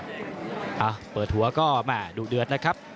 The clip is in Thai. เอ้าเปิดหัวก็มาดูเดือดนะครับ